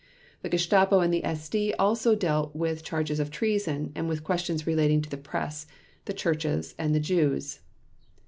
The Gestapo and the SD also dealt with charges of treason and with questions relating to the press, the churches and the Jews.